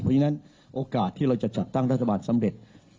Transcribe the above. เพราะฉะนั้นโอกาสที่เราจะจัดตั้งรัฐบาลสำเร็จ